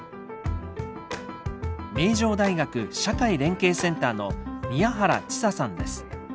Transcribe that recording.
名城大学社会連携センターの宮原知沙さんです。